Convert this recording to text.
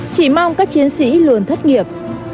chỉ mong các chiến sĩ luôn thất nghiệp